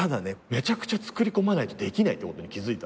めちゃくちゃ作り込まないとできないってことに気付いた。